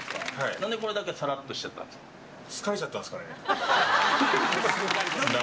なんでこれだけはさらっとしちゃ疲れちゃったんですかね。